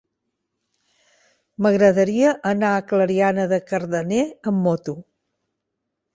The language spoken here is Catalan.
M'agradaria anar a Clariana de Cardener amb moto.